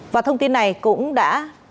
và thông tin này cũng đã